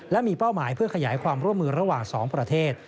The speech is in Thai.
และมีเป้าหมายเพื่อขยายความร่วมมือระหว่าง๒ประเทศ